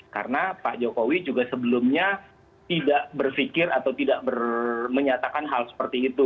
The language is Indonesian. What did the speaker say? karena pak jokowi juga sebelumnya tidak berpikir atau tidak menyatakan hal seperti itu